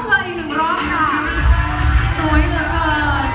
สวยเหลือเกิน